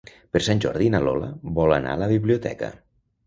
Per Sant Jordi na Lola vol anar a la biblioteca.